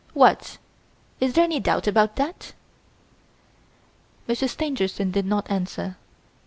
"What! Is there any doubt about that?" Monsieur Stangerson did not answer.